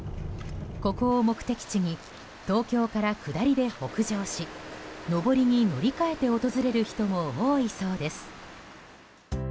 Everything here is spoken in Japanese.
ここを目的地に東京から下りで北上し上りに乗り換えて訪れる人も多いそうです。